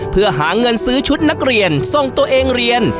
เพื่อหาเงินซื้อชุดนักเรียนส่งตัวเองเรียน